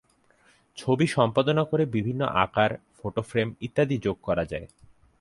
ছবি সম্পাদনা করে বিভিন্ন আকার, ফটো ফ্রেম ইত্যাদি যোগ করা যায়।